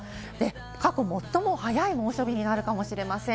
過去最も早い猛暑日になるかもしれません。